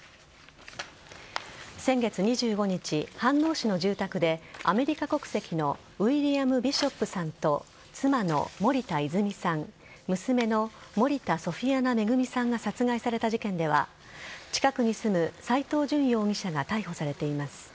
先月２５日、飯能市の住宅でアメリカ国籍のウィリアム・ビショップさんと妻の森田泉さん娘の森田ソフィアナ恵さんが殺害された事件では近くに住む斎藤淳容疑者が逮捕されています。